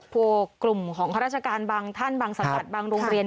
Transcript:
พวกกลุ่มของข้าราชการบางท่านบางสังกัดบางโรงเรียน